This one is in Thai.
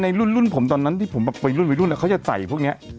ในรุ่นผมตอนนั้นที่ผมไปรุ่นแล้วเขาจะใส่พวกนี้